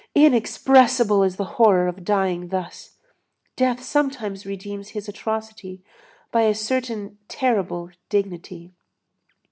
Inexpressible is the horror of dying thus! Death sometimes redeems his atrocity by a certain terrible dignity.